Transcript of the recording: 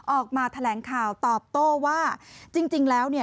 ออกมาแถลงข่าวตอบโต้ว่าจริงแล้วเนี่ย